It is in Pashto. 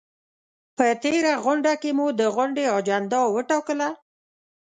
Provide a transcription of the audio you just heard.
په تېره غونډه کې مو د غونډې اجنډا وټاکله؟